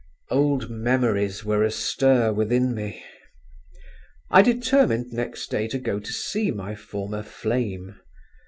Old memories were astir within me…. I determined next day to go to see my former "flame."